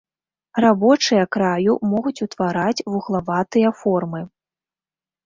Рабочыя краю могуць утвараць вуглаватыя формы.